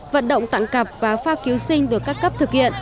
vận động tặng cặp và pha cứu sinh được các cấp thực hiện